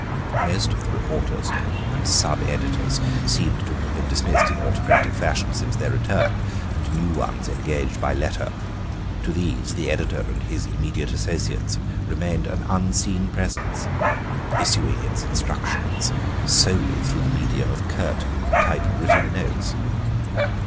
Most of the reporters and sub editors seemed to have been dismissed in autocratic fashion since their return and new ones engaged by letter; to these the editor and his immediate associates remained an unseen presence, issuing its instructions solely through the medium of curt typewritten notes.